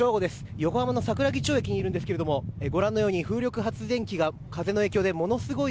横浜の桜木町駅にいるんですがご覧のように風力発電機が風の影響でものすごい